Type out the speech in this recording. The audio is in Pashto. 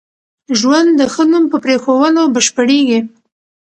ژوند د ښه نوم په پرېښوولو بشپړېږي.